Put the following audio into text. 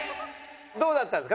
どうだったんですか？